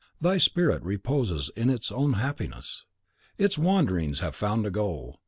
Thy spirit reposes in its own happiness. Its wanderings have found a goal.